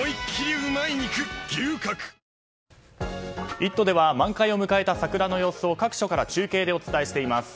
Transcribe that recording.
「イット！」では満開を迎えた桜の様子を各所から中継でお伝えしています。